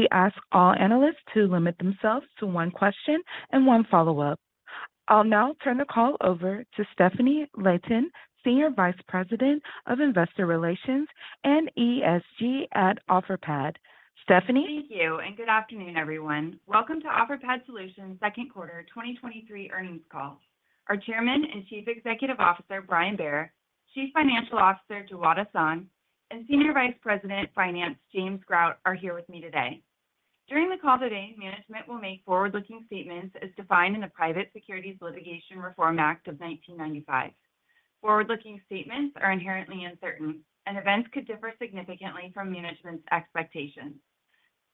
We ask all analysts to limit themselves to one question and one follow-up. I'll now turn the call over to Stefanie Layton, Senior Vice President of Investor Relations and ESG at Offerpad. Stefanie? Thank you, and good afternoon, everyone. Welcome to Offerpad Solutions' second quarter 2023 earnings call. Our Chairman and Chief Executive Officer, Brian Bair, Chief Financial Officer, Jawad Ahsan, and Senior Vice President, Finance, James Grout, are here with me today. During the call today, management will make forward-looking statements as defined in the Private Securities Litigation Reform Act of 1995. Forward-looking statements are inherently uncertain, and events could differ significantly from management's expectations.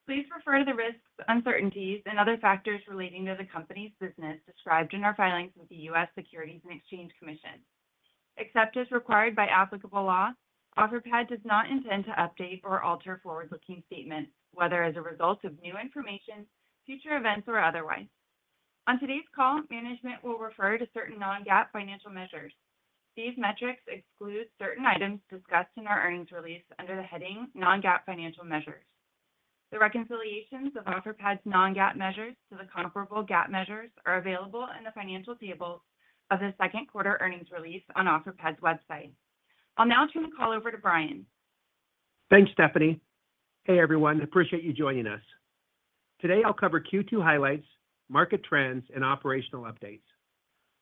Please refer to the risks, uncertainties, and other factors relating to the company's business described in our filings with the U.S. Securities and Exchange Commission. Except as required by applicable law, Offerpad does not intend to update or alter forward-looking statements, whether as a result of new information, future events, or otherwise. On today's call, management will refer to certain non-GAAP financial measures. These metrics exclude certain items discussed in our earnings release under the heading Non-GAAP Financial Measures. The reconciliations of Offerpad's non-GAAP measures to the comparable GAAP measures are available in the financial tables of the second quarter earnings release on Offerpad's website. I'll now turn the call over to Brian. Thanks, Stefanie. Hey, everyone, appreciate you joining us. Today, I'll cover Q2 highlights, market trends, and operational updates.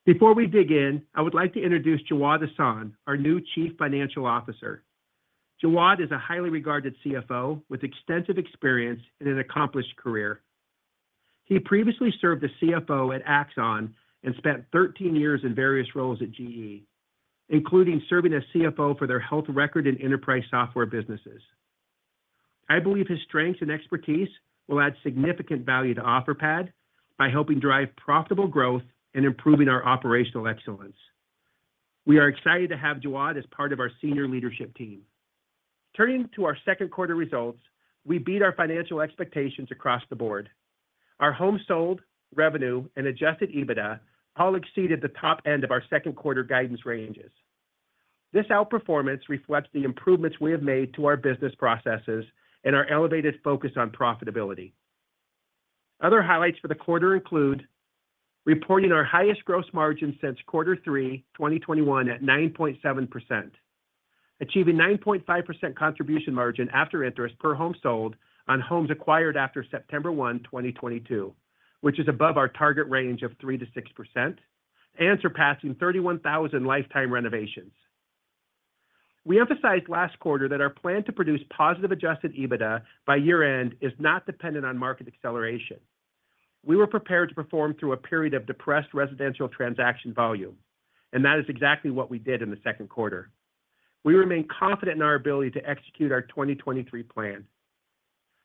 Before we dig in, I would like to introduce Jawad Ahsan, our new Chief Financial Officer. Jawad is a highly regarded CFO with extensive experience and an accomplished career. He previously served as CFO at Axon and spent 13 years in various roles at GE, including serving as CFO for their health record and enterprise software businesses. I believe his strengths and expertise will add significant value to Offerpad by helping drive profitable growth and improving our operational excellence. We are excited to have Jawad as part of our senior leadership team. Turning to our second quarter results, we beat our financial expectations across the board. Our homes sold, revenue, and Adjusted EBITDA all exceeded the top end of our second quarter guidance ranges. This outperformance reflects the improvements we have made to our business processes and our elevated focus on profitability. Other highlights for the quarter include: reporting our highest gross margin since Q3 2021 at 9.7%, achieving 9.5% contribution margin after interest per home sold on homes acquired after September 1, 2022, which is above our target range of 3%-6%, and surpassing 31,000 lifetime renovations. We emphasized last quarter that our plan to produce positive Adjusted EBITDA by year-end is not dependent on market acceleration. We were prepared to perform through a period of depressed residential transaction volume, and that is exactly what we did in the second quarter. We remain confident in our ability to execute our 2023 plan.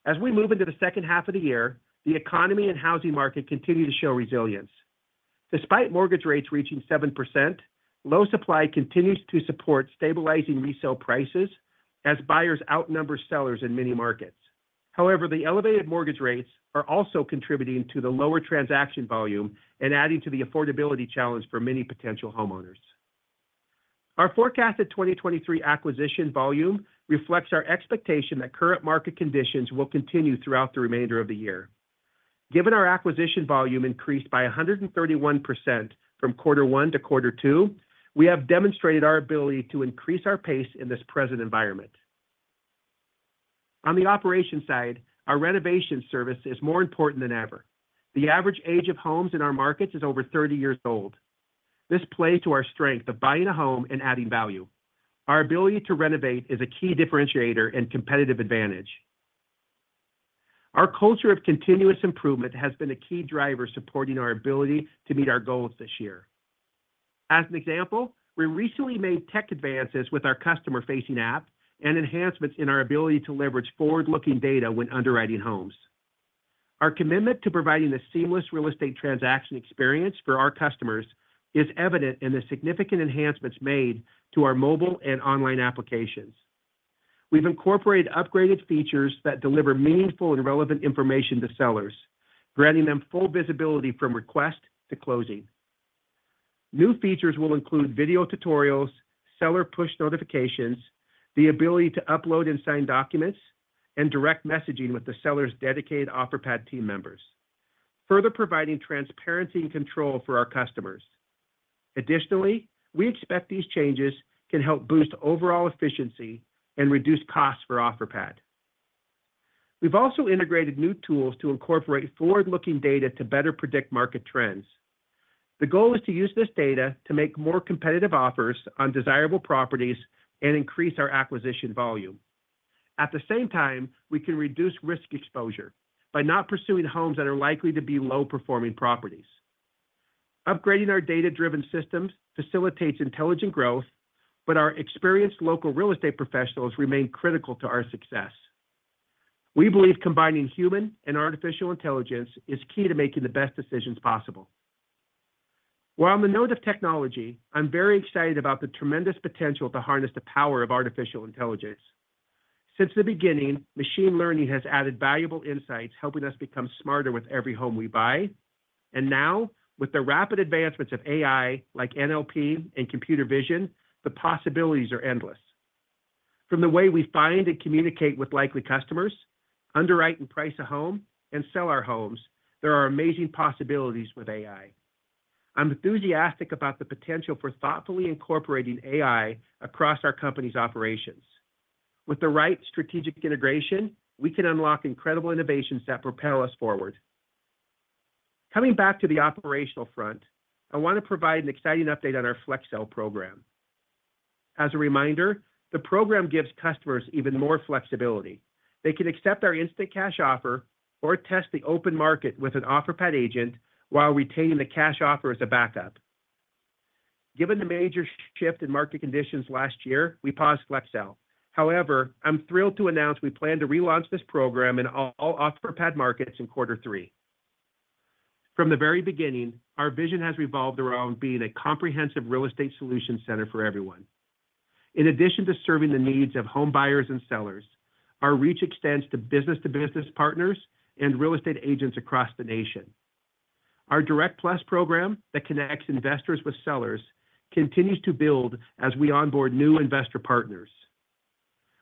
As we move into the second half of the year, the economy and housing market continue to show resilience. Despite mortgage rates reaching 7%, low supply continues to support stabilizing resale prices as buyers outnumber sellers in many markets. However, the elevated mortgage rates are also contributing to the lower transaction volume and adding to the affordability challenge for many potential homeowners. Our forecasted 2023 acquisition volume reflects our expectation that current market conditions will continue throughout the remainder of the year. Given our acquisition volume increased by 131% from Q1 to Q2, we have demonstrated our ability to increase our pace in this present environment. On the operation side, our renovation service is more important than ever. The average age of homes in our markets is over 30 years old. This play to our strength of buying a home and adding value. Our ability to renovate is a key differentiator and competitive advantage. Our culture of continuous improvement has been a key driver supporting our ability to meet our goals this year. As an example, we recently made tech advances with our customer-facing app and enhancements in our ability to leverage forward-looking data when underwriting homes. Our commitment to providing a seamless real estate transaction experience for our customers is evident in the significant enhancements made to our mobile and online applications. We've incorporated upgraded features that deliver meaningful and relevant information to sellers, granting them full visibility from request to closing. New features will include video tutorials, seller push notifications, the ability to upload and sign documents, and direct messaging with the seller's dedicated Offerpad team members, further providing transparency and control for our customers. Additionally, we expect these changes can help boost overall efficiency and reduce costs for Offerpad. We've also integrated new tools to incorporate forward-looking data to better predict market trends. The goal is to use this data to make more competitive offers on desirable properties and increase our acquisition volume. At the same time, we can reduce risk exposure by not pursuing homes that are likely to be low-performing properties. Upgrading our data-driven systems facilitates intelligent growth, our experienced local real estate professionals remain critical to our success. We believe combining human and artificial intelligence is key to making the best decisions possible. While on the note of technology, I'm very excited about the tremendous potential to harness the power of artificial intelligence. Since the beginning, machine learning has added valuable insights, helping us become smarter with every home we buy. Now, with the rapid advancements of AI, like NLP and computer vision, the possibilities are endless. From the way we find and communicate with likely customers, underwrite and price a home, and sell our homes, there are amazing possibilities with AI. I'm enthusiastic about the potential for thoughtfully incorporating AI across our company's operations. With the right strategic integration, we can unlock incredible innovations that propel us forward. Coming back to the operational front, I wanna provide an exciting update on our Flex Sell program. As a reminder, the program gives customers even more flexibility. They can accept our instant cash offer or test the open market with an Offerpad agent while retaining the cash offer as a backup. Given the major shift in market conditions last year, we paused Flex Sell. However, I'm thrilled to announce we plan to relaunch this program in all Offerpad markets in quarter three. From the very beginning, our vision has revolved around being a comprehensive real estate solution center for everyone. In addition to serving the needs of home buyers and sellers, our reach extends to business-to-business partners and real estate agents across the nation. Our Direct+ program, that connects investors with sellers, continues to build as we onboard new investor partners.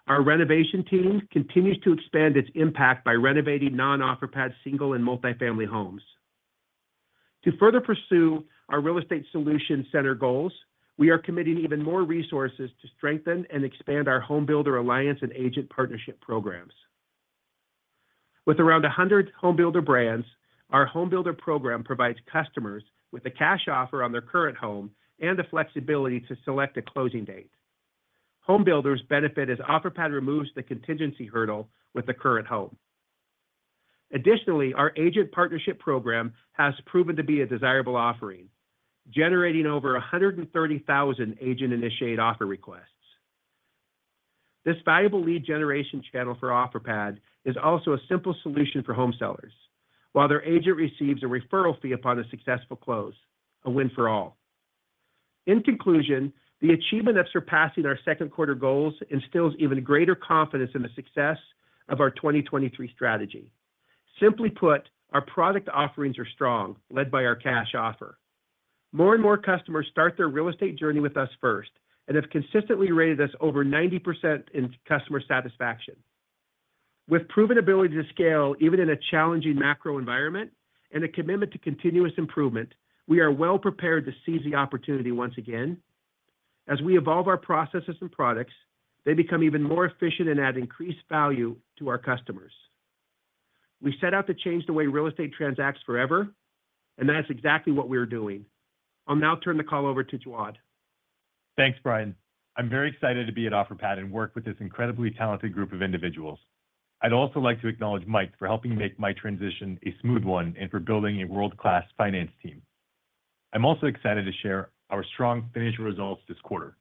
Our renovation team continues to expand its impact by renovating non-Offerpad single and multifamily homes. To further pursue our real estate solution center goals, we are committing even more resources to strengthen and expand our Home Builder Alliance and Agent Partnership programs. With around 100 home builder brands, our home builder program provides customers with a cash offer on their current home and the flexibility to select a closing date. Home builders benefit as Offerpad removes the contingency hurdle with the current home. Additionally, our Agent Partnership program has proven to be a desirable offering, generating over 130,000 agent-initiated offer requests. This valuable lead generation channel for Offerpad is also a simple solution for home sellers, while their agent receives a referral fee upon a successful close, a win for all. In conclusion, the achievement of surpassing our second quarter goals instills even greater confidence in the success of our 2023 strategy. Simply put, our product offerings are strong, led by our cash offer. More and more customers start their real estate journey with us first and have consistently rated us over 90% in customer satisfaction. With proven ability to scale, even in a challenging macro environment and a commitment to continuous improvement, we are well prepared to seize the opportunity once again. As we evolve our processes and products, they become even more efficient and add increased value to our customers. We set out to change the way real estate transacts forever, and that's exactly what we're doing. I'll now turn the call over to Jawad. Thanks, Brian. I'm very excited to be at Offerpad and work with this incredibly talented group of individuals. I'd also like to acknowledge Mike for helping make my transition a smooth one and for building a world-class finance team. I'm also excited to share our strong financial results this quarter.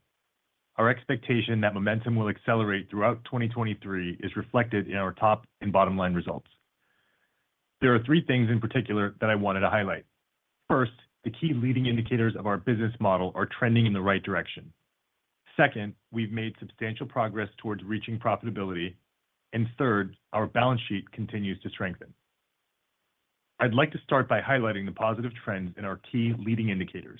Our expectation that momentum will accelerate throughout 2023 is reflected in our top and bottom-line results. There are three things in particular that I wanted to highlight. First, the key leading indicators of our business model are trending in the right direction. Second, we've made substantial progress towards reaching profitability. Third, our balance sheet continues to strengthen. I'd like to start by highlighting the positive trends in our key leading indicators.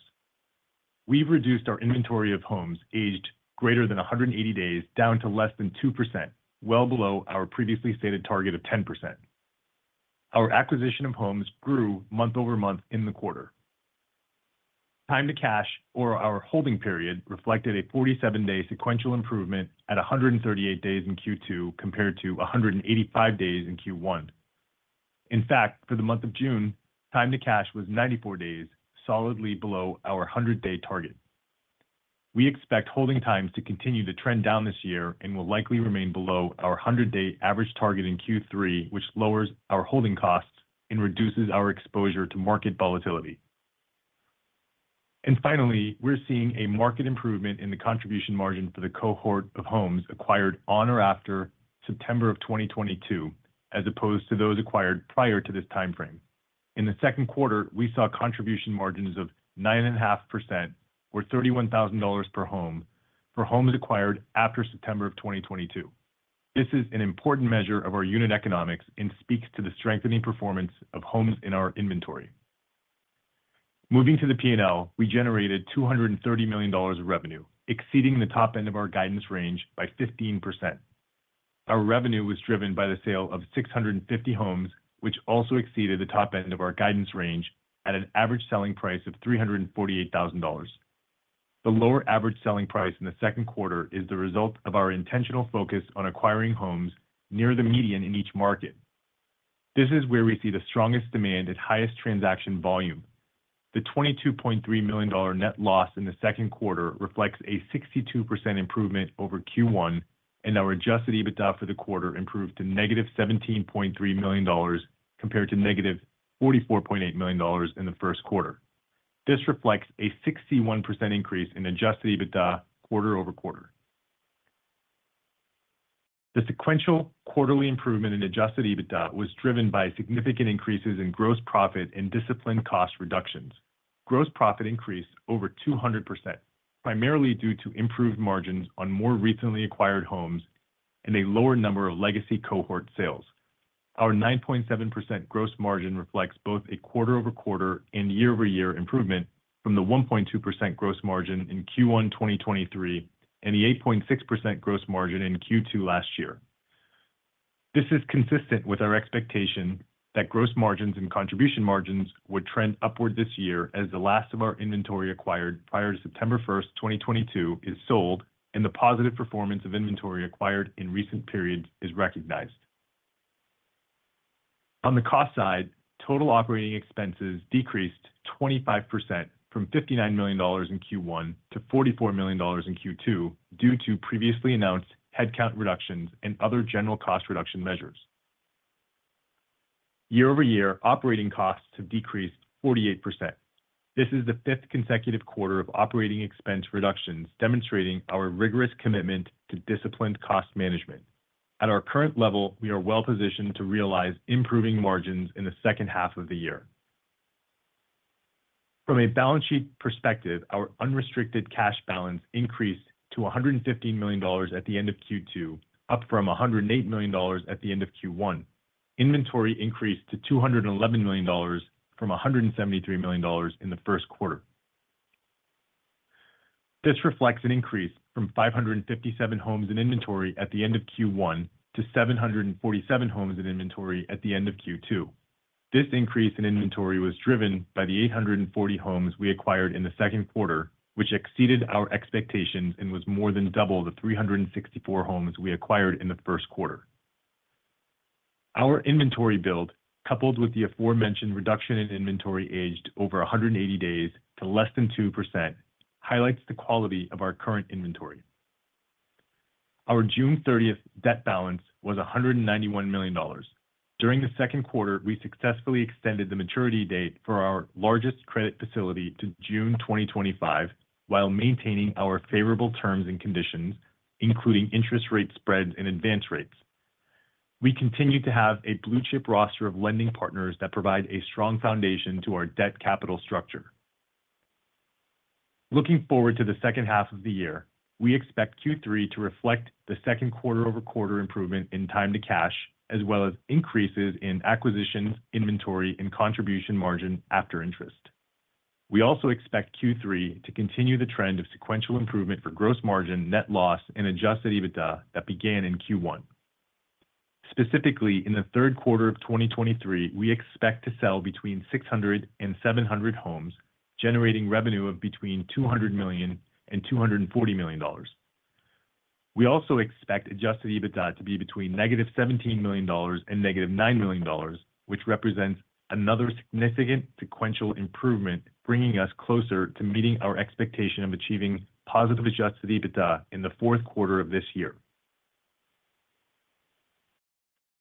We've reduced our inventory of homes aged greater than 180 days, down to less than 2%, well below our previously stated target of 10%. Our acquisition of homes grew month-over-month in the quarter. Time to cash, or our holding period, reflected a 47-day sequential improvement at 138 days in Q2, compared to 185 days in Q1. In fact, for the month of June, time to cash was 94 days, solidly below our 100-day target. We expect holding times to continue to trend down this year and will likely remain below our 100-day average target in Q3, which lowers our holding costs and reduces our exposure to market volatility. Finally, we're seeing a market improvement in the contribution margin for the cohort of homes acquired on or after September of 2022, as opposed to those acquired prior to this timeframe. In the Q2, we saw contribution margins of 9.5%, or $31,000 per home, for homes acquired after September of 2022. This is an important measure of our unit economics and speaks to the strengthening performance of homes in our inventory. Moving to the P&L, we generated $230 million of revenue, exceeding the top end of our guidance range by 15%. Our revenue was driven by the sale of 650 homes, which also exceeded the top end of our guidance range at an average selling price of $348,000. The lower average selling price in the second quarter is the result of our intentional focus on acquiring homes near the median in each market. This is where we see the strongest demand and highest transaction volume. The $22.3 million net loss in the second quarter reflects a 62% improvement over Q1. Our Adjusted EBITDA for the quarter improved to -$17.3 million, compared to -$44.8 million in the first quarter. This reflects a 61% increase in Adjusted EBITDA quarter-over-quarter. The sequential quarterly improvement in Adjusted EBITDA was driven by significant increases in gross profit and disciplined cost reductions. Gross profit increased over 200%, primarily due to improved margins on more recently acquired homes and a lower number of legacy cohort sales. Our 9.7% gross margin reflects both a quarter-over-quarter and year-over-year improvement from the 1.2% gross margin in Q1 2023 and the 8.6% gross margin in Q2 2022. This is consistent with our expectation that gross margins and contribution margins would trend upward this year as the last of our inventory acquired prior to September 1, 2022, is sold, and the positive performance of inventory acquired in recent periods is recognized. On the cost side, total operating expenses decreased 25% from $59 million in Q1 to $44 million in Q2, due to previously announced headcount reductions and other general cost reduction measures. Year-over-year, operating costs have decreased 48%. This is the fifth consecutive quarter of operating expense reductions, demonstrating our rigorous commitment to disciplined cost management. At our current level, we are well positioned to realize improving margins in the second half of the year. From a balance sheet perspective, our unrestricted cash balance increased to $115 million at the end of Q2, up from $108 million at the end of Q1. Inventory increased to $211 million from $173 million in the first quarter. This reflects an increase from 557 homes in inventory at the end of Q1 to 747 homes in inventory at the end of Q2. This increase in inventory was driven by the 840 homes we acquired in the second quarter, which exceeded our expectations and was more than double the 364 homes we acquired in the first quarter. Our inventory build, coupled with the aforementioned reduction in inventory aged over 180 days to less than 2%, highlights the quality of our current inventory. Our June 30th debt balance was $191 million. During the second quarter, we successfully extended the maturity date for our largest credit facility to June 2025, while maintaining our favorable terms and conditions, including interest rate spreads and advance rates. We continue to have a blue-chip roster of lending partners that provide a strong foundation to our debt capital structure. Looking forward to the second half of the year, we expect Q3 to reflect the second quarter-over-quarter improvement in time to cash, as well as increases in acquisitions, inventory, and contribution margin after interest. We also expect Q3 to continue the trend of sequential improvement for gross margin, net loss, and Adjusted EBITDA that began in Q1. Specifically, in the third quarter of 2023, we expect to sell between 600 and 700 homes, generating revenue of between $200 million and $240 million. We also expect Adjusted EBITDA to be between negative $17 million and negative $9 million, which represents another significant sequential improvement, bringing us closer to meeting our expectation of achieving positive Adjusted EBITDA in the fourth quarter of this year.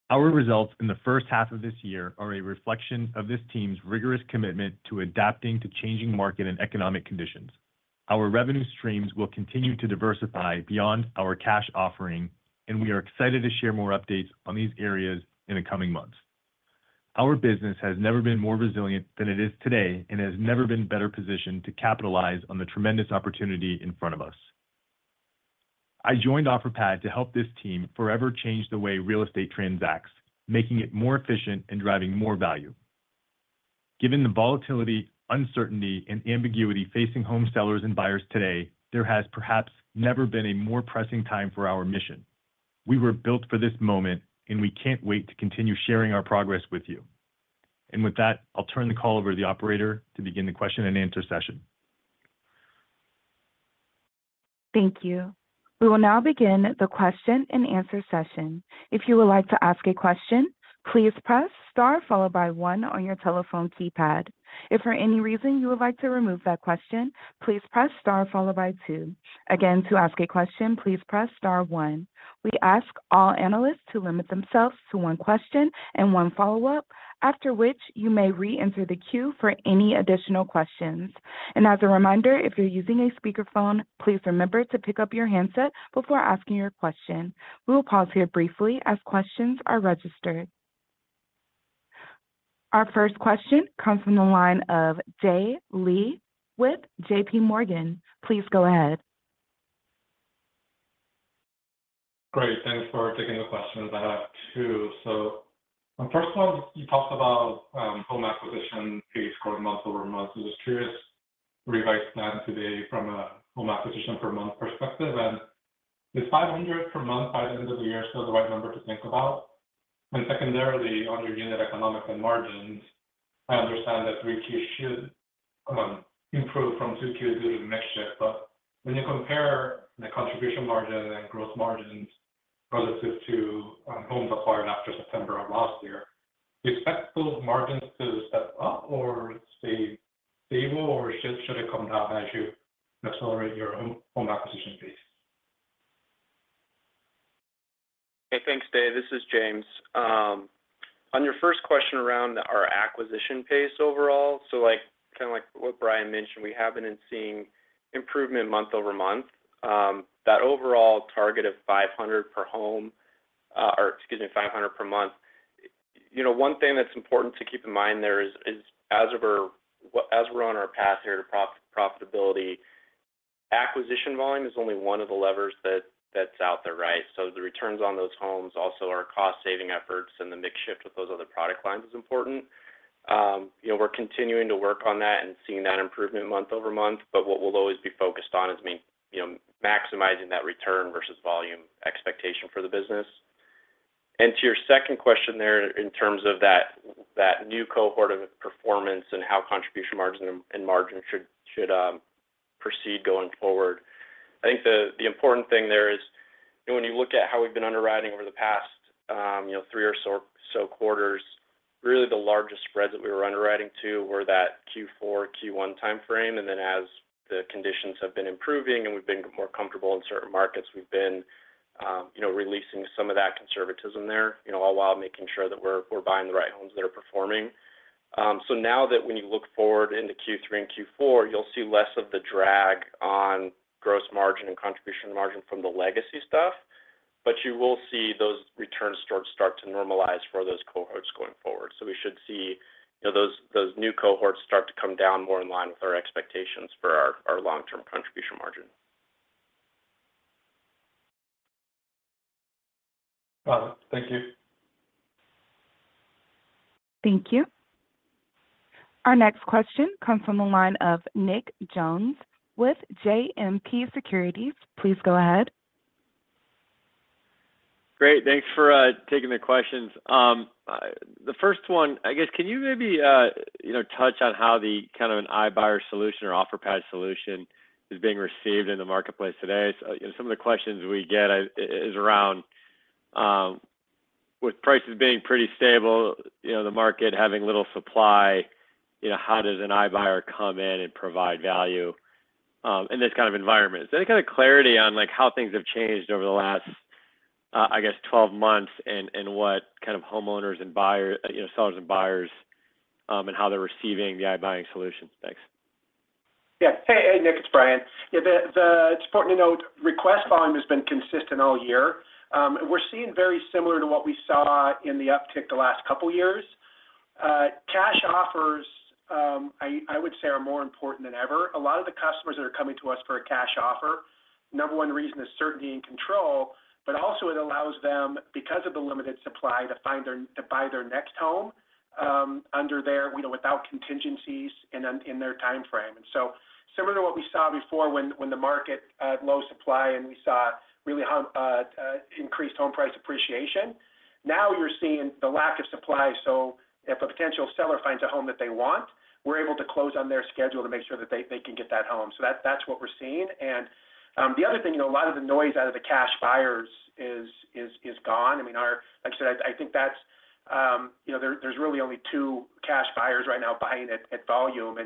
Our results in the first half of this year are a reflection of this team's rigorous commitment to adapting to changing market and economic conditions. Our revenue streams will continue to diversify beyond our cash offering, and we are excited to share more updates on these areas in the coming months. Our business has never been more resilient than it is today and has never been better positioned to capitalize on the tremendous opportunity in front of us. I joined Offerpad to help this team forever change the way real estate transacts, making it more efficient and driving more value. Given the volatility, uncertainty, and ambiguity facing home sellers and buyers today, there has perhaps never been a more pressing time for our mission. We were built for this moment, and we can't wait to continue sharing our progress with you. With that, I'll turn the call over to the operator to begin the question and answer session. Thank you. We will now begin the question and answer session. If you would like to ask a question, please press Star followed by one on your telephone keypad. If for any reason you would like to remove that question, please press Star followed by two. Again, to ask a question, please press Star one. We ask all analysts to limit themselves to one question and one follow-up, after which you may reenter the queue for any additional questions. As a reminder, if you're using a speakerphone, please remember to pick up your handset before asking your question. We will pause here briefly as questions are registered. Our first question comes from the line of Dae Lee with JP Morgan. Please go ahead. Great, thanks for taking the questions. I have two. First one, you talked about home acquisition pace quarter month-over-month. I was just curious, revise that today from a home acquisition per month perspective, and is 500 per month by the end of the year still the right number to think about? Secondarily, on your unit economics and margins, I understand that Q3 should improve from Q2 due to the mix shift, but when you compare the contribution margin and gross margins relative to homes acquired after September of last year, do you expect those margins to step up or stay stable, or should it come down as you accelerate your home acquisition pace? Hey, thanks, Jay. This is James. On your first question around our acquisition pace overall, like, kinda like what Brian mentioned, we have been seeing improvement month-over-month. That overall target of 500 per home, or excuse me, 500 per month, you know, one thing that's important to keep in mind there is, is as we're on our path here to profitability, acquisition volume is only one of the levers that, that's out there, right? The returns on those homes, also our cost-saving efforts and the mix shift with those other product lines is important. You know, we're continuing to work on that and seeing that improvement month-over-month, but what we'll always be focused on is, you know, maximizing that return versus volume expectation for the business. To your second question there, in terms of that, that new cohort of performance and how contribution margin and, and margin should, should proceed going forward. I think the, the important thing there is, you know, when you look at how we've been underwriting over the past, you know, three or so, so quarters, really the largest spreads that we were underwriting to were that Q4, Q1 timeframe. As the conditions have been improving and we've been more comfortable in certain markets, we've been, you know, releasing some of that conservatism there, you know, all while making sure that we're, we're buying the right homes that are performing. Now that when you look forward into Q3 and Q4, you'll see less of the drag on gross margin and contribution margin from the legacy stuff, but you will see those returns start to normalize for those cohorts going forward. We should see, you know, those new cohorts start to come down more in line with our expectations for our, our long-term contribution margin. Got it. Thank you. Thank you. Our next question comes from the line of Nick Jones with JMP Securities. Please go ahead. Great. Thanks for taking the questions. The first one can you maybe touch on how the kind of an iBuyer solution or Offerpad solution is being received in the marketplace today? Some of the questions we get, is around, with prices being pretty stable the market having little supply how does an iBuyer come in and provide value in this environment? Is there any clarity on how things have changed over the last 12 months, and what homeowners and buyers, sellers and buyers, and how they're receiving the iBuying solutions? Thanks. Nick, it's Brian. It's important to note that request volume has been consistent all year. We're seeing very similar to what we saw in the uptick the last couple of years. Cash offers, I would say are more important than ever. A lot of the customers that are coming to us for a cash offer, the number one reason is certainty and control, but also it allows them, because of the limited supply, to find their to buy their next home, under their without contingencies and then in their timeframe. Similar to what we saw before when the market had low supply and we saw really increased home price appreciation, now you're seeing the lack of supply. If a potential seller finds a home that they want, we're able to close on their schedule to make sure that they can get that home. That's what we're seeing. The other thing a lot of the noise out of the cash buyers is gone. I mean, there's really only 2 cash buyers right now buying at volume.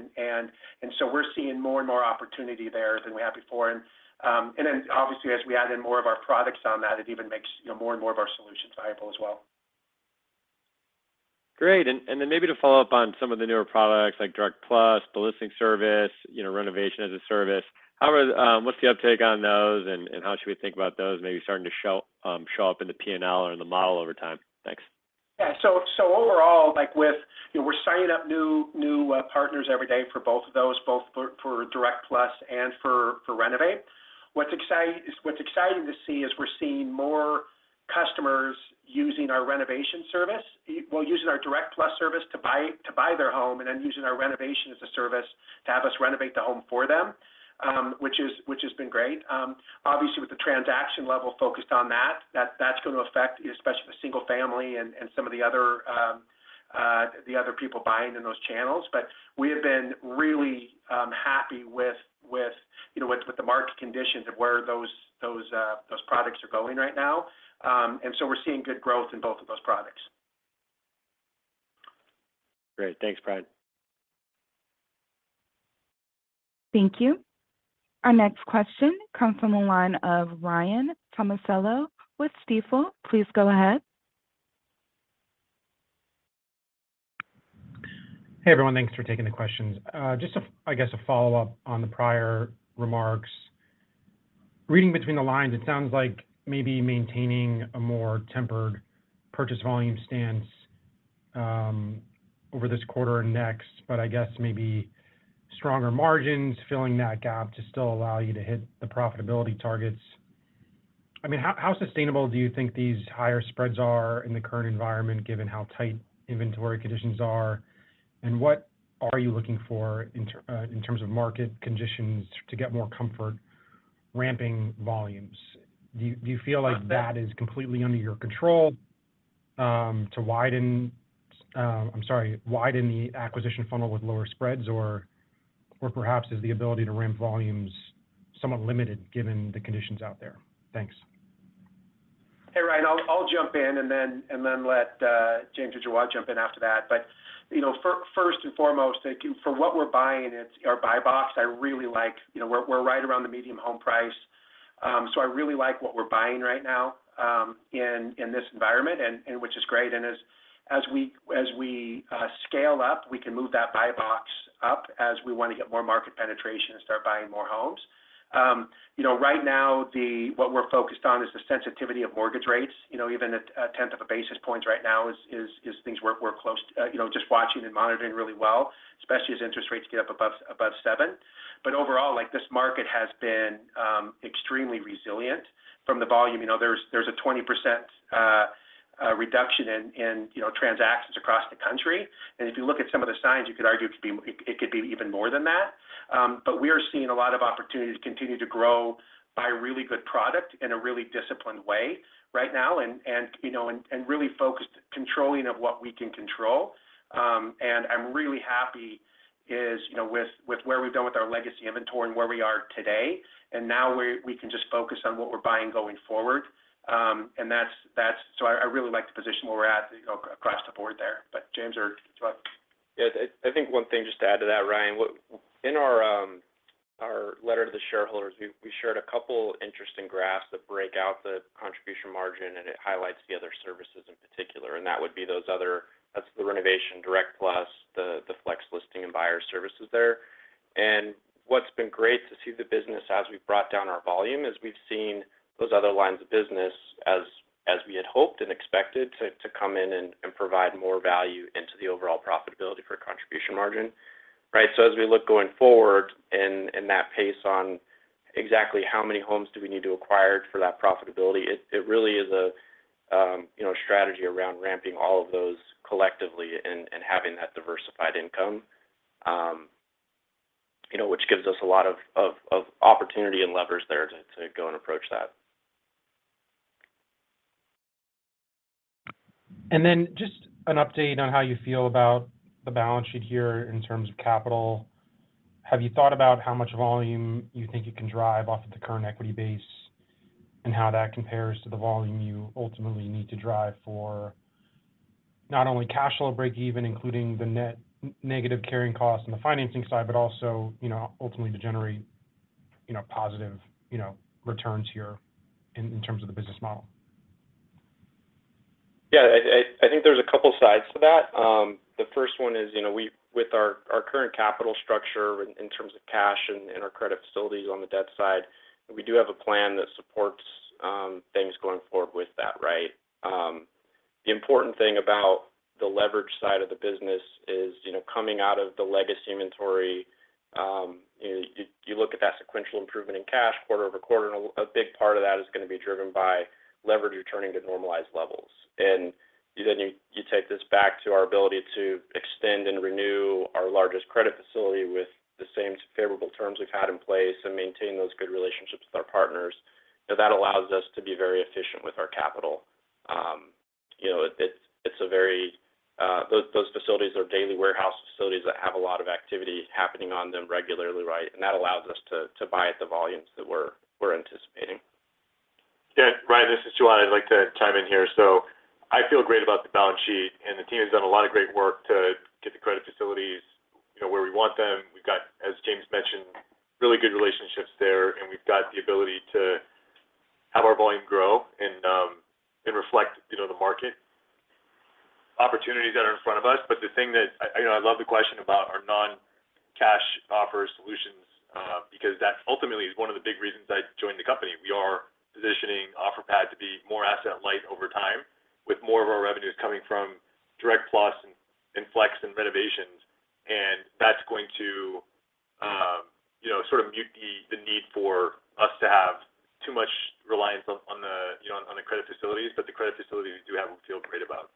So we're seeing more and more opportunity there than we had before. Then obviously, as we add in more of our products on that, it even makes, you know, more and more of our solutions viable as well. Great. Then maybe to follow up on some of the newer products like Direct+, the listing service, you know, renovation as a service, how are the what's the uptake on those, and how should we think about those maybe starting to show up in the P&L or in the model over time? Thanks. Overall, we're signing up new, new partners every day for both of those, both for Direct+ and for Renovate. What's exciting to see is we're seeing more customers using our renovation service. Well, using our Direct+ service to buy, to buy their home, and then using our renovation as a service to have us renovate the home for them, which has been great. Obviously, with the transaction level focused on that, that's going to affect especially the single-family, and some of the other people buying in those channels. We have been really happy with the market conditions of where those, those, those products are going right now. We're seeing good growth in both of those products. Great. Thanks, Brian. Thank you. Our next question comes from the line of Ryan Tomasello with Stifel. Please go ahead. Hey, everyone. Thanks for taking the questions. Just a follow-up on the prior remarks. Reading between the lines, it sounds like maybe maintaining a more tempered purchase volume stance, over this quarter and next, but I guess maybe stronger margins, filling that gap to still allow you to hit the profitability targets. I mean, how sustainable do you think these higher spreads are in the current environment, given how tight inventory conditions are? What are you looking for in terms of market conditions to get more comfort ramping volumes? Do you feel like that is completely under your control, to widen the acquisition funnel with lower spreads, or perhaps is the ability to ramp volumes somewhat limited, given the conditions out there? Thanks. Hey, Ryan. I'll jump in and then let James or Jawad jump in after that. First and foremost, I think for what we're buying, it's our buy box. I really like. We're right around the medium home price, so I really like what we're buying right now in this environment, and which is great. As we scale up, we can move that buy box up as we want to get more market penetration and start buying more homes. Right now, what we're focused on is the sensitivity of mortgage rates. Even a 0.1 basis point right now is things we're close to. Just watching and monitoring really well, especially as interest rates get up above 7%. Overall, like, this market has been extremely resilient from the volume. You know, there's a 20% reduction in transactions across the country. If you look at some of the signs, you could argue it could be even more than that. We are seeing a lot of opportunities continue to grow by a really good product in a really disciplined way right now, and really focused, controlling of what we can control. I'm really happy is with where we've gone with our legacy inventory and where we are today, and now we can just focus on what we're buying going forward. I really like the position where we're at across the board there. James or Jawad? I think one thing just to add to that, Ryan, in our letter to the shareholders, we shared a couple interesting graphs that break out the contribution margin, and it highlights the other services in particular. That would be those other. That's the Renovate, Direct+, the Flex Listing, and buyer services there. What's been great to see the business as we've brought down our volume, is we've seen those other lines of business as we had hoped and expected to, to come in and provide more value into the overall profitability for contribution margin, right? As we look going forward and that pace on exactly how many homes do we need to acquire for that profitability, it really is a strategy around ramping all of those collectively and having that diversified income. Which gives us a lot of opportunity and levers there to go and approach that. Just an update on how you feel about the balance sheet here in terms of capital. Have you thought about how much volume you think you can drive off of the current equity base? How that compares to the volume you ultimately need to drive for not only cash flow break-even, including the net negative carrying cost and the financing side, but also ultimately to generate positive returns here in terms of the business model? There's a couple sides to that. The first one is with our current capital structure in terms of cash and our credit facilities on the debt side, we do have a plan that supports things going forward with that, right? The important thing about the leverage side of the business is coming out of the legacy inventory. You look at that sequential improvement in cash quarter over quarter, and a big part of that is going to be driven by leverage returning to normalized levels. You take this back to our ability to extend and renew our largest credit facility with the same favorable terms we've had in place and maintain those good relationships with our partners. That allows us to be very efficient with our capital. Those facilities are daily warehouse facilities that have a lot of activity happening on them regularly, right? That allows us to buy at the volumes that we're anticipating. Ryan, this is Jawad. I'd like to chime in here. I feel great about the balance sheet, and the team has done a lot of great work to get the credit facilities, you know, where we want them. We've got, as James mentioned, really good relationships there, and we've got the ability to have our volume grow and reflect, you know, the market opportunities that are in front of us. The thing that I love the question about our non-cash offer solutions because that ultimately is one of the big reasons I joined the company. We are positioning Offerpad to be more asset light over time, with more of our revenues coming from Direct+ and Flex and renovations. That's going to mute the, the need for us to have too much reliance on the credit facilities. The credit facilities we do have, we feel great about.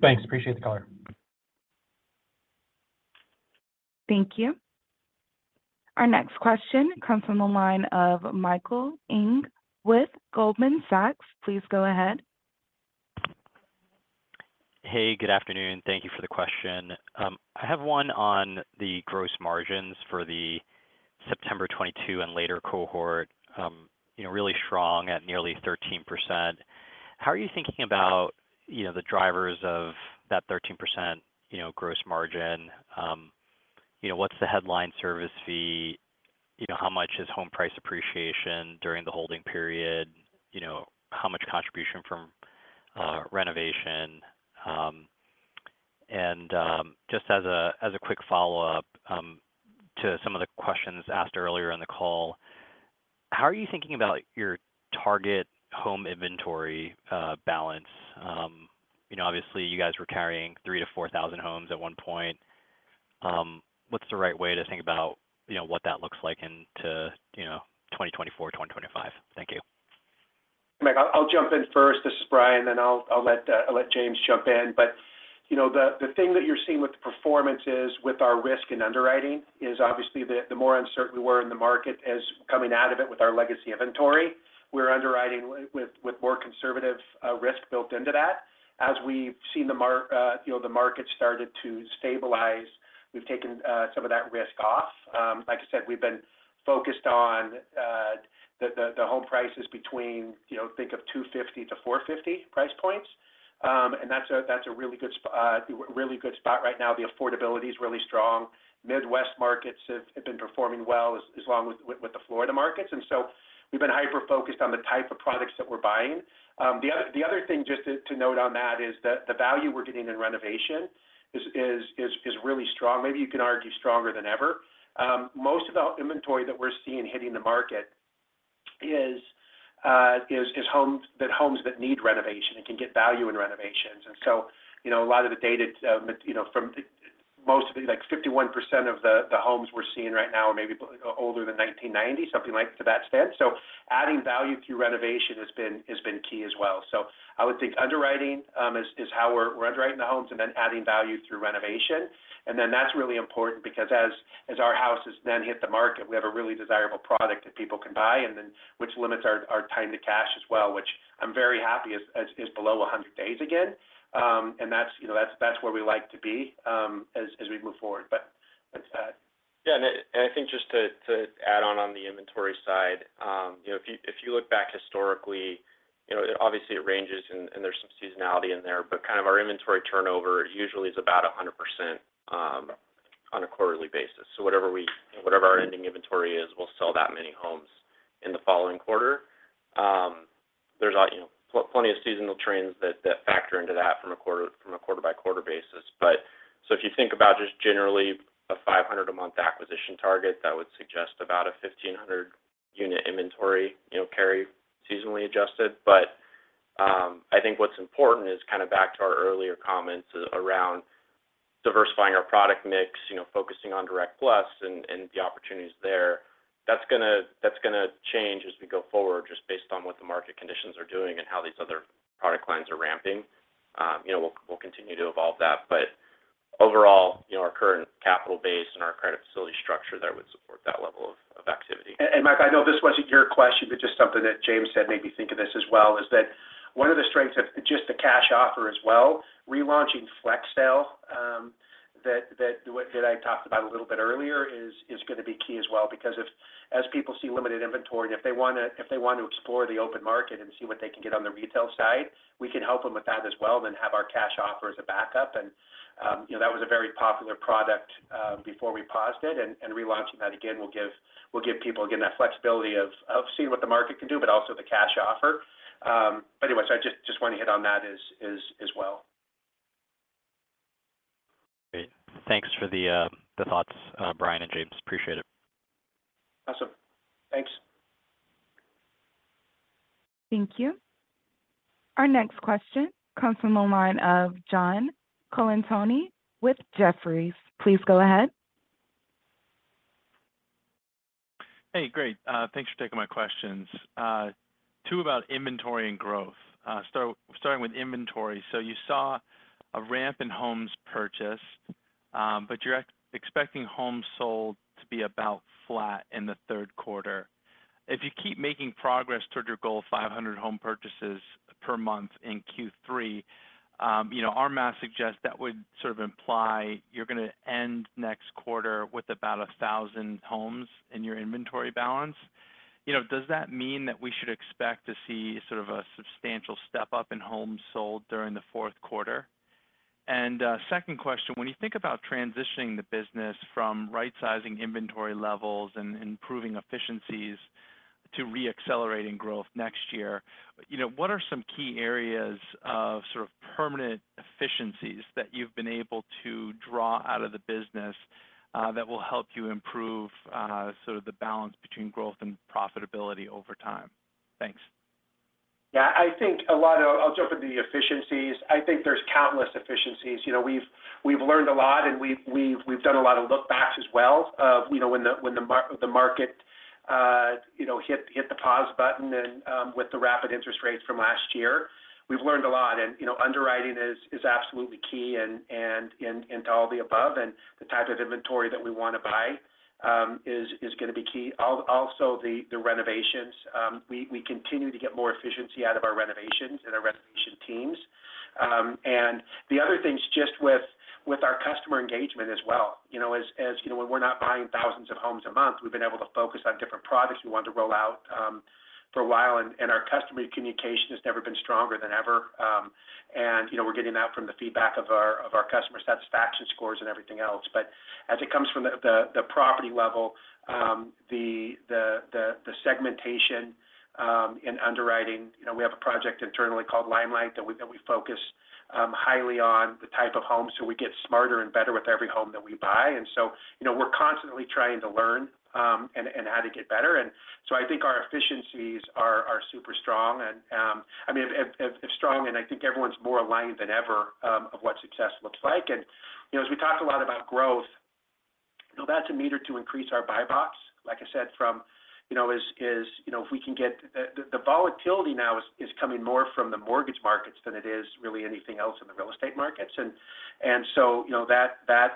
Thanks. Appreciate the color. Thank you. Our next question comes from the line of Michael Ng with Goldman Sachs. Please go ahead. Hey, good afternoon. Thank you for the question. I have one on the gross margins for the September 2022 and later cohort, you know, really strong at nearly 13%. How are you thinking about the drivers of that 13%, you know, gross margin? You know, what's the headline service fee? You know, how much is home price appreciation during the holding period? You know, how much contribution from renovation? Just as a quick follow-up to some of the questions asked earlier in the call, how are you thinking about your target home inventory balance? You know, obviously, you guys were carrying 3,000-4,000 homes at one point. What's the right way to think about what that looks like into 2024, 2025? Thank you. Michael Ng, I'll jump in first. This is Brian Bair, then I'll let James Grout jump in. The thing that you're seeing with the performances, with our risk and underwriting is obviously the more uncertain we were in the market as coming out of it with our legacy inventory, we're underwriting with more conservative risk built into that. As we've seen the market started to stabilize, we've taken some of that risk off. Like I said, we've been focused on the home prices between, you know, think of $250,000-$450,000 price points. And that's a, that's a really good spot right now. The affordability is really strong. Midwest markets have, have been performing well as long with the Florida markets, and so we've been hyper-focused on the type of products that we're buying. The other thing just to note on that is that the value we're getting in renovation is really strong. Maybe you can argue stronger than ever. Most of our inventory that we're seeing hitting the market is homes that need renovation and can get value in renovations. A lot of the data from most of the 51% of the, the homes we're seeing right now are maybe older than 1990, something like to that extent. Adding value through renovation has been, has been key as well. I would think underwriting is how we're underwriting the homes and then adding value through renovation. That's really important because as our houses then hit the market, we have a really desirable product that people can buy, and then which limits our time to cash as well, which I'm very happy is below 100 days again. And that's, you know, that's where we like to be as we move forward. With that. I think just to add on the inventory side if you look back historically, you know, obviously, it ranges and, and there's some seasonality in there, but kind of our inventory turnover usually is about 100% on a quarterly basis. Whatever our ending inventory is, we'll sell that many homes in the following quarter. There's, you know, plenty of seasonal trends that factor into that from a quarter-by-quarter basis. If you think about just generally a 500 a month acquisition target, that would suggest about a 1,500-unit inventory, you know, carry seasonally adjusted. I think what's important is kind of back to our earlier comments around diversifying our product mix, you know, focusing on Direct+ and the opportunities there. That's gonna change as we go forward, just based on what the market conditions are doing and how these other product lines are ramping. You know, we'll continue to evolve that. Overall, you know, our current capital base and our credit facility structure there would support that level of, of activity. Mike, I know this wasn't your question, but just something that James said made me think of this as well. One of the strengths of just the cash offer as well, relaunching Flex Sell that I talked about a little bit earlier is gonna be key as well. Because if as people see limited inventory, and if they wanna explore the open market and see what they can get on the retail side, we can help them with that as well, then have our cash offer as a backup. You know, that was a very popular product before we paused it, and relaunching that again will give people, again, that flexibility of seeing what the market can do, but also the cash offer. Anyway, I just, just want to hit on that as well. Great. Thanks for the thoughts, Brian and James. Appreciate it. Awesome. Thanks. Thank you. Our next question comes from the line of John Colantuoni with Jefferies. Please go ahead. Hey, great. thanks for taking my questions. Two about inventory and growth. Starting with inventory. You saw a ramp in homes purchased, but you're expecting homes sold to be about flat in the third quarter. If you keep making progress toward your goal of 500 home purchases per month in Q3, you know, our math suggests that would sort of imply you're gonna end next quarter with about 1,000 homes in your inventory balance. You know, does that mean that we should expect to see sort of a substantial step up in homes sold during the fourth quarter? Second question, when you think about transitioning the business from right-sizing inventory levels and improving efficiencies to reaccelerating growth next year, you know, what are some key areas of sort of permanent efficiencies that you've been able to draw out of the business that will help you improve, sort of the balance between growth and profitability over time? Thanks. I'll jump into the efficiencies. I think there's countless efficiencies. We've learned a lot, and we've done a lot of look-backs as well when the market, you know, hit the pause button and, with the rapid interest rates from last year, we've learned a lot. Underwriting is absolutely key and to all the above, and the type of inventory that we want to buy, is, is gonna be key. Also, the renovations we continue to get more efficiency out of our renovations and our renovation teams. The other things, just with our customer engagement as well. As you know, when we're not buying thousands of homes a month, we've been able to focus on different products we wanted to roll out for a while, our customer communication has never been stronger than ever. You know, we're getting that from the feedback of our customer satisfaction scores and everything else. As it comes from the property level, the segmentation in underwriting we have a project internally called Limelight, that we focus highly on the type of homes, so we get smarter and better with every home that we buy. You know, we're constantly trying to learn and how to get better. I think our efficiencies are super strong, and I mean, strong, and I think everyone's more aligned than ever, of what success looks like. You know, as we talked a lot about growth that's a meter to increase our buy box. Like I said, if we can get Volatility now is coming more from the mortgage markets than it is really anything else in the real estate markets.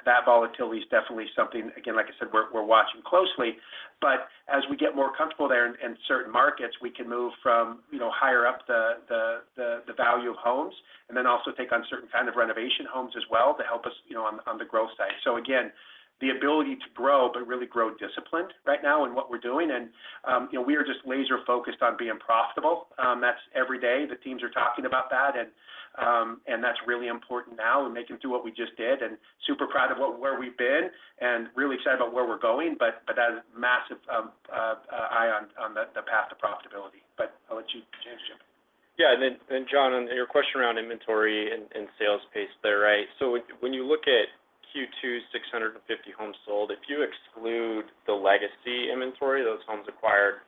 That volatility is definitely something, again, like I said, we're, we're watching closely, but as we get more comfortable there in, in certain markets, we can move from higher up the value of homes, and then also take on certain kind of renovation homes as well to help us on the growth side. Again, the ability to grow, but really grow disciplined right now in what we're doing. You know, we are just laser-focused on being profitable. That's every day the teams are talking about that, and that's really important now and making through what we just did, and super proud of where we've been and really excited about where we're going. But that is massive eye on the, the path to profitability. I'll let you, James, jump in. And then, John, on your question around inventory and sales pace there, right? When you look at Q2, 650 homes sold, if you exclude the legacy inventory, those homes acquired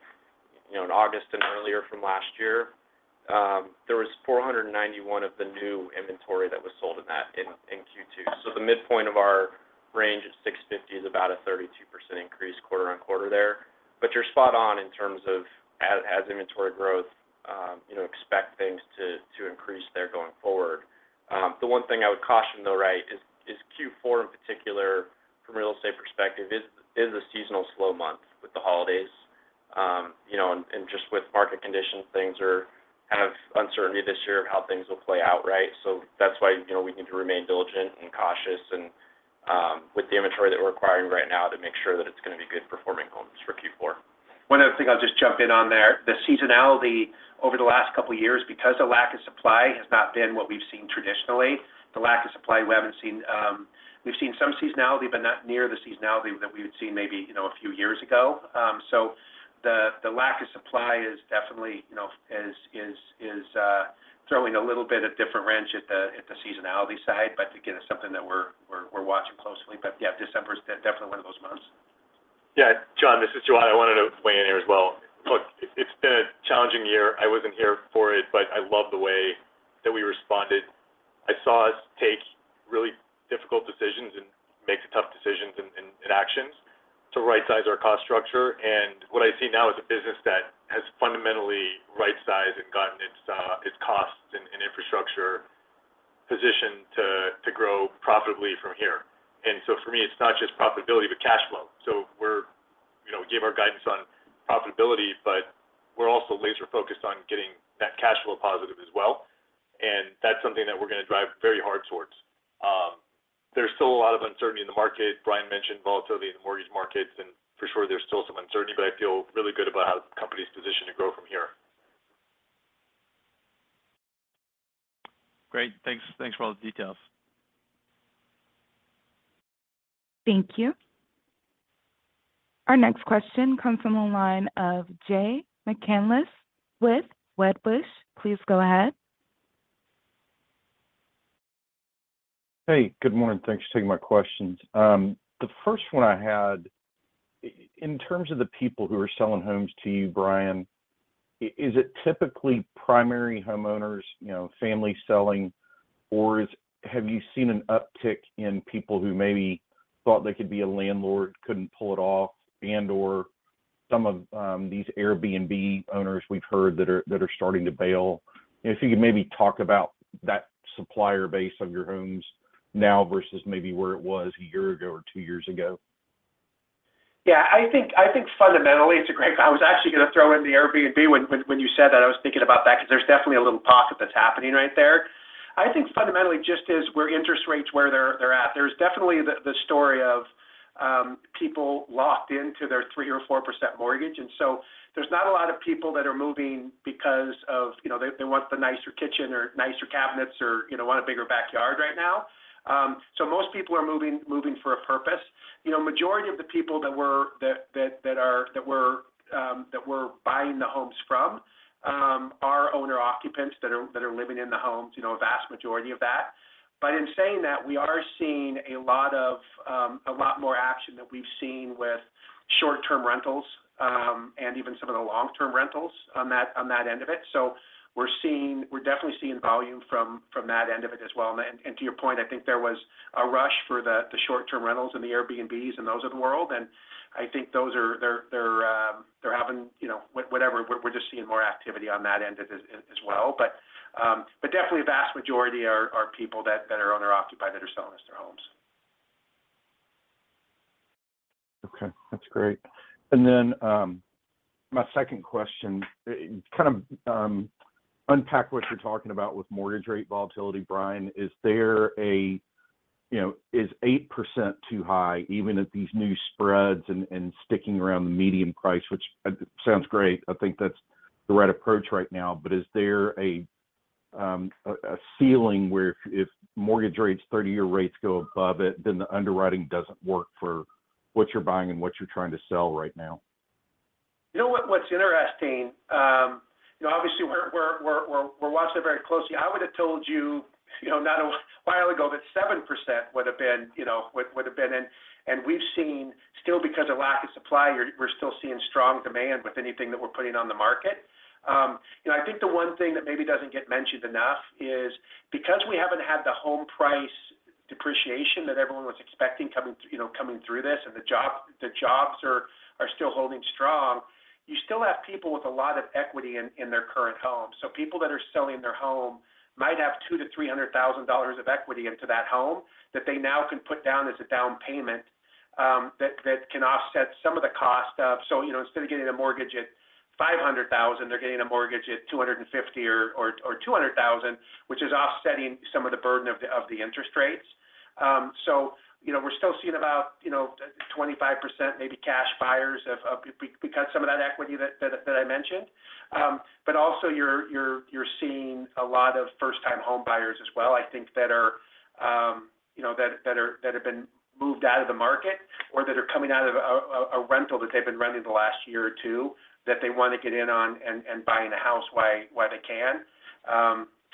in August and earlier from last year, there was 491 of the new inventory that was sold in that in Q2. The midpoint of our range is 650 is about a 32% increase quarter-over-quarter there. You're spot on in terms of as inventory growth expect things to increase there going forward. The one thing I would caution, though, right, is Q4 in particular from a real estate perspective is a seasonal slow month with the holidays. You know, just with market conditions, things are uncertainty this year of how things will play out, right? That's why we need to remain diligent and cautious, and with the inventory that we're acquiring right now to make sure that it's gonna be good performing homes for Q4. One other thing I'll just jump in on there. The seasonality over the last couple of years, because the lack of supply has not been what we've seen traditionally, the lack of supply we haven't seen. We've seen some seasonality, but not near the seasonality that we would seen maybe a few years ago. The lack of supply is definitely, you know, is, is, is, throwing a little bit of a wrench at the seasonality side. Again, it's something that we're watching closely. December is definitely one of those months. Yeah. John, this is Jawad. I wanted to weigh in here as well. Look, it's been a challenging year. I wasn't here for it, but I love the way that we responded. I saw us take really difficult decisions and make the tough decisions and actions to right-size our cost structure. What I see now is a business that has fundamentally rightsized and gotten its costs and infrastructure positioned to grow profitably from here. For me, it's not just profitability, but cash flow. As you know, we gave our guidance on profitability, but we're also laser-focused on getting that cash flow positive as well, and that's something that we're gonna drive very hard towards. There's still a lot of uncertainty in the market. Brian mentioned volatility in the mortgage markets, and for sure, there's still some uncertainty, but I feel really good about how the company is positioned to grow from here. Great. Thanks, thanks for all the details. Thank you. Our next question comes from the line of Jay McCanless with Wedbush. Please go ahead. Hey, good morning. Thanks for taking my questions. The first one I had, in terms of the people who are selling homes to you, Brian, is it typically primary homeowners, you know, family selling? Or is have you seen an uptick in people who maybe thought they could be a landlord, couldn't pull it off, and/or some of these Airbnb owners we've heard that are starting to bail? If you could maybe talk about that supplier base of your homes now versus maybe where it was a year ago or two years ago. I think fundamentally, it's a great, I was actually going to throw in the Airbnb when you said that. I was thinking about that because there's definitely a little pocket that's happening right there. I think fundamentally, just as where interest rates, where they're at, there's definitely the story of people locked into their 3% or 4% mortgage. So there's not a lot of people that are moving because they want the nicer kitchen or nicer cabinets or want a bigger backyard right now. So most people are moving for a purpose. Majority of the people that we're buying the homes from, are owner-occupants that are living in the homes, you know, a vast majority of that. In saying that, we are seeing a lot more action than we've seen with short-term rentals, and even some of the long-term rentals on that end of it. We're definitely seeing volume from that end of it as well. To your point, I think there was a rush for the short-term rentals and the Airbnb and those of the world, and I think they're having, whatever, we're just seeing more activity on that end as well. Definitely a vast majority are people that are owner-occupied that are selling us their homes. Okay, that's great. Then, my second question, unpack what you're talking about with mortgage rate volatility, Brian. Is 8% too high, even at these new spreads and, and sticking around the medium price, which sounds great? I think that's the right approach right now. Is there a ceiling where if, if mortgage rates, 30-year rates go above it, then the underwriting doesn't work for what you're buying and what you're trying to sell right now? You know what, what's interesting, you know, obviously, we're, we're, we're, we're watching it very closely. I would have told you, you know, not a while ago, that 7% would have been, you know, would, would have been. We've seen still because of lack of supply, we're, we're still seeing strong demand with anything that we're putting on the market. I think the one thing that maybe doesn't get mentioned enough is because we haven't had the home price depreciation that everyone was expecting coming coming through this, the jobs are, are still holding strong, you still have people with a lot of equity in, in their current home. People that are selling their home might have $200,000-$300,000 of equity into that home that they now can put down as a down payment, that, that can offset some of the cost of, instead of getting a mortgage at $500,000, they're getting a mortgage at $250,000 or $200,000, which is offsetting some of the burden of the, of the interest rates. You know, we're still seeing about, you know, 25%, maybe cash buyers of because some of that equity that I mentioned. Also you're, you're seeing a lot of first-time home buyers as well, I think that have been moved out of the market or that are coming out of a rental that they've been renting the last year or 2, that they want to get in on, and buying a house while they can.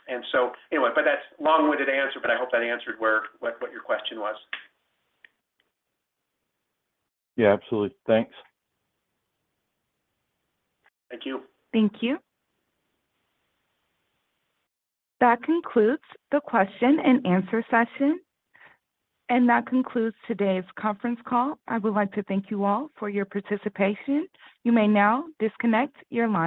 Anyway, that's long-winded answer, but I hope that answered where, what, and what your question was. Absolutely. Thanks. Thank you. Thank you. That concludes the question and answer session. That concludes today's conference call. I would like to thank you all for your participation. You may now disconnect your line.